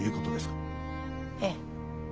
ええ。